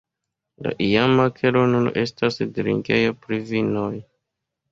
La iama kelo nun estas drinkejo pri vinoj.